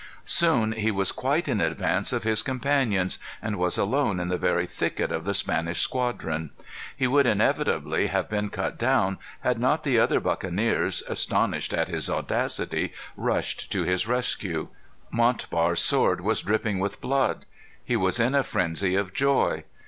Soon he was quite in advance of his companions, and was alone in the very thickest of the Spanish squadron. He would inevitably have been cut down, had not the other buccaneers, astonished at his audacity, rushed to his rescue. Montbar's sword was dripping with blood. He was in a frenzy of joy.